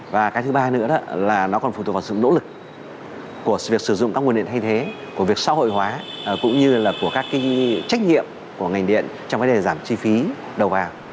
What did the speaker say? và cái thứ ba nữa là nó còn phụ thuộc vào sự nỗ lực của việc sử dụng các nguồn điện thay thế của việc xã hội hóa cũng như là của các trách nhiệm của ngành điện trong vấn đề giảm chi phí đầu vào